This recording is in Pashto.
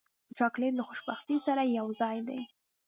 چاکلېټ له خوشبختۍ سره یوځای دی.